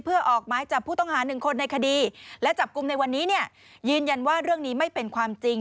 เพื่อออกไม้จับผู้ต้องหาหนึ่งคนในคดีและจับกลุ่มในวันนี้เนี่ยยืนยันว่าเรื่องนี้ไม่เป็นความจริง